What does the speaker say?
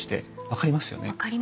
分かりますね。